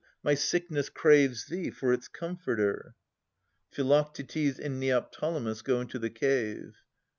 My sickness craves thee for its comforter. [Philoctetes and Neoptolemus go into the cave.